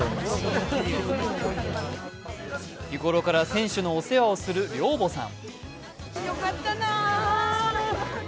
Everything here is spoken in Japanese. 日頃から選手のお世話をする寮母さん。